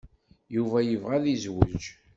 Yuba yebɣa ad yezweǧ.